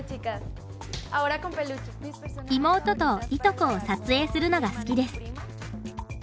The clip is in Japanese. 妹といとこを撮影するのが好きです。